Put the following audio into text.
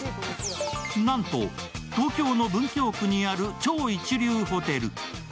なんと東京の文京区にある超一流ホテル。